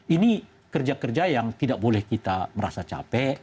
ini kerja kerja yang tidak boleh kita merasa capek